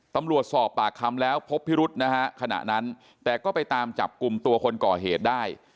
สอบปากคำแล้วพบพิรุษนะฮะขณะนั้นแต่ก็ไปตามจับกลุ่มตัวคนก่อเหตุได้